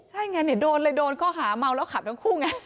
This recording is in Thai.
ใช่ไงเนี่ยโดนเลยโดนข้อหาเมาแล้วขับทั้งคู่ไง